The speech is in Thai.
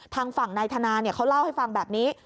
ทางฝั่งนายธนาเขาเล่าให้ฟังแบบนี้